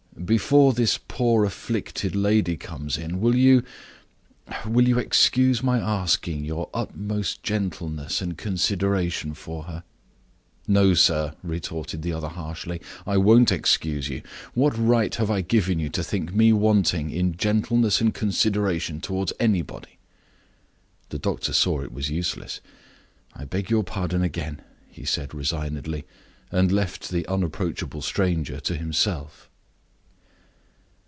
Before this poor afflicted lady comes in, will you will you excuse my asking your utmost gentleness and consideration for her?" "No, sir," retorted the other harshly; "I won't excuse you. What right have I given you to think me wanting in gentleness and consideration toward anybody?" The doctor saw it was useless. "I beg your pardon again," he said, resignedly, and left the unapproachable stranger to himself.